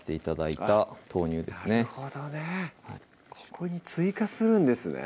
ここに追加するんですね